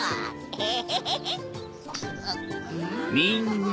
ヘヘヘヘ。